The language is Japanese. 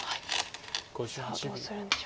さあどうするんでしょうか。